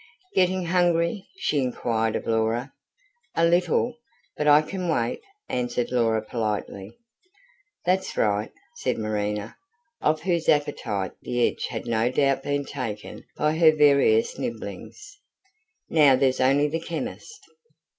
"Getting hungry?" she inquired of Laura. "A little. But I can wait," answered Laura politely. "That's right," said Marina, off whose own appetite the edge had no doubt been taken by her various nibblings. "Now there's only the chemist."